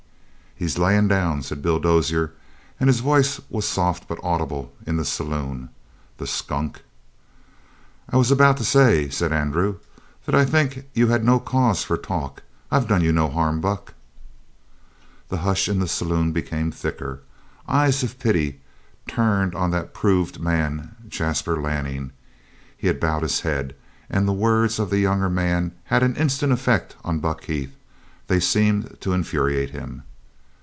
"He's layin' down," said Bill Dozier, and his voice was soft but audible in the saloon. "The skunk!" "I was about to say," said Andrew, "that I think you had no cause for talk. I've done you no harm, Buck." The hush in the saloon became thicker; eyes of pity turned on that proved man, Jasper Lanning. He had bowed his head. And the words of the younger man had an instant effect on Buck Heath. They seemed to infuriate him.